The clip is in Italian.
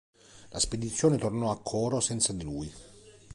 La spedizione tornò a Coro senza di lui.